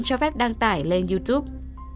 cho phép đăng tải lên youtube